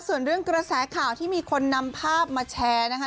ส่วนเรื่องกระแสข่าวที่มีคนนำภาพมาแชร์นะคะ